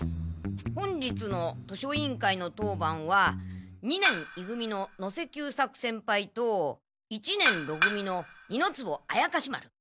本日の図書委員会の当番は二年い組の能勢久作先輩と一年ろ組の二ノ坪怪士丸。